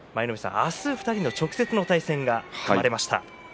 明日、２人の直接の対戦が組まれました。